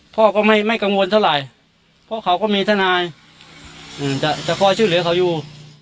พ่อก็ไม่ไม่กังวลเท่าไหร่เพราะเขาก็มีท่านายอืมแต่แต่พ่อชื่อเหลือเขาอยู่